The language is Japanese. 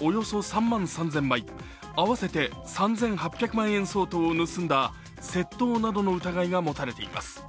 およそ３万３０００枚、合わせて３８００万円相当を盗んだ窃盗などの疑いが持たれています。